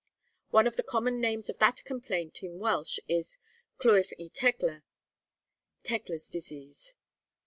One of the common names of that complaint in Welsh is Clwyf y Tegla, (Tegla's disease).